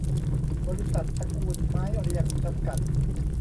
บริษัท ตระกูลไม้เรียง จำกัด